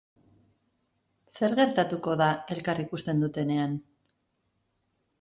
Zer gertatuko da elkar ikusten dutenean?